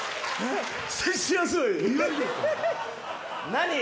何？